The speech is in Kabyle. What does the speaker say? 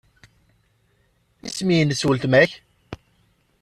Isem-nnes weltma-k?